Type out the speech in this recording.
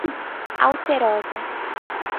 Alterosa